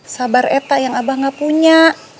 sabar eta yang abah gak punya